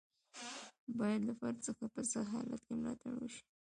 باید له فرد څخه په سخت حالت کې ملاتړ وشي.